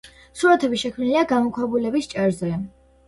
სურათები შექმნილია გამოქვაბულების ჭერზე.